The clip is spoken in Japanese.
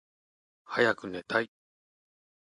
はやくねたい。